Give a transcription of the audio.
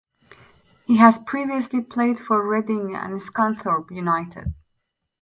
He has previously played for Reading and Scunthorpe United.